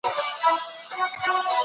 استازی باید د خدای احکام خلګو ته ورسوي.